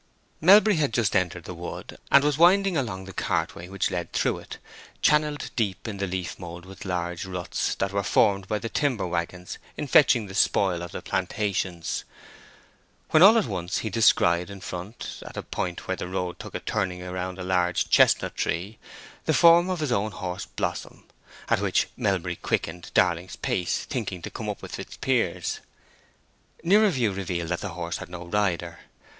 Melbury had just entered the wood, and was winding along the cart way which led through it, channelled deep in the leaf mould with large ruts that were formed by the timber wagons in fetching the spoil of the plantations, when all at once he descried in front, at a point where the road took a turning round a large chestnut tree, the form of his own horse Blossom, at which Melbury quickened Darling's pace, thinking to come up with Fitzpiers. Nearer view revealed that the horse had no rider.